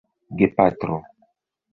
gepatro